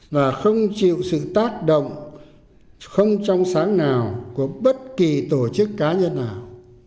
và không chịu sự tác động không trong sáng nào của bất kỳ tổ chức cá nhân nào